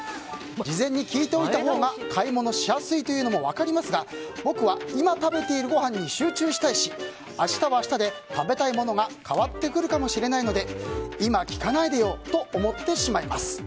事前に聞いておいたほうが買い物しやすいというのも分かりますが僕は今食べているごはんに集中したいし明日は明日で食べたいものが変わってくるかもしれないので今、聞かないでよと思ってしまいます。